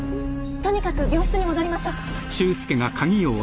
とにかく病室に戻りましょう。